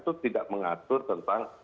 itu tidak mengatur tentang